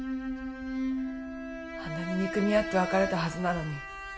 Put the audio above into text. あんなに憎み合って別れたはずなのに。